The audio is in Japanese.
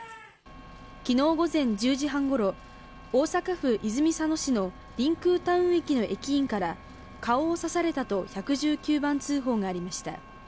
昨日午前１０時半ごろ大阪府泉佐野市のりんくうタウン駅の駅員から顔を刺されたと１１９番通報がありました。